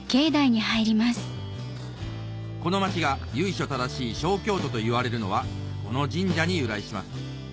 この街が由緒正しい小京都といわれるのはこの神社に由来します